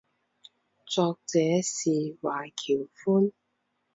作者是椎桥宽。